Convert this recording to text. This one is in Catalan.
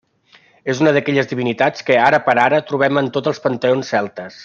És una d'aquelles divinitats que, ara per ara, trobem en tots els panteons celtes.